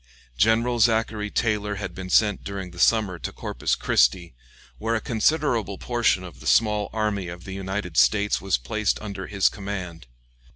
General Zachary Taylor had been sent during the summer to Corpus Christi, where a considerable portion of the small army of the United States was placed under his command.